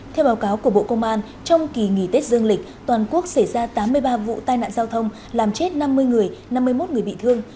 theo báo cáo của bộ công an trong kỳ nghỉ tết dương lịch toàn quốc xảy ra tám mươi ba vụ tai nạn giao thông làm chết năm mươi người năm mươi một người bị thương